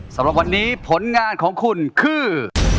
สำหรับวันนี้ผลงานของคุณคือ